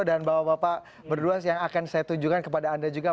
dan bapak bapak berdua yang akan saya tunjukkan kepada anda juga